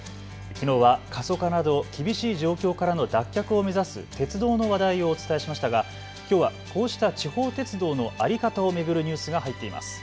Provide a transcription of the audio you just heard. きのうは過疎化など厳しい状況からの脱却を目指す鉄道の話題をお伝えしましたがきょうはこうした地方鉄道の在り方を巡るニュースが入っています。